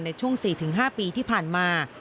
ในช่วง๔๕ปีที่ผ่านมา